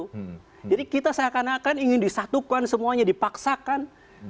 jadi kita seakan akan ingin disatukan semuanya dipaksakan